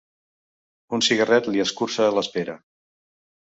Un cigarret li escurça l'espera.